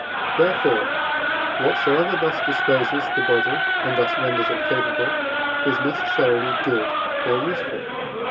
therefore, whatsoever thus disposes the body and thus renders it capable, is necessarily good or useful (IV.